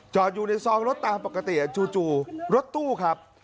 อยู่ในซองรถตามปกติจู่รถตู้ครับ